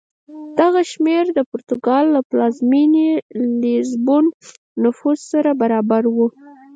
دغه شمېر د پرتګال له پلازمېنې لېزبون نفوس سره برابر و.